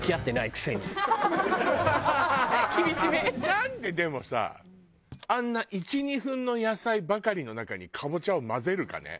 なんででもさあんな１２分の野菜ばかりの中にカボチャを混ぜるかね？